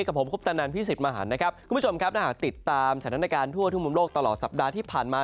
กับผมคุณผู้ชมครับติดตามสถานการณ์ทั่วทั่วมุมโลกตลอดสัปดาห์ที่ผ่านมา